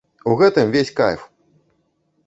У гэтым увесь кайф!